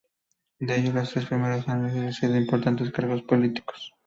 De ellos, los tres primeros han ejercido importantes cargos políticos.